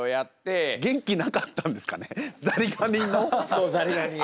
そうザリガニが。